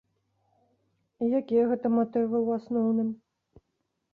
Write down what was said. І якія гэта матывы, у асноўным?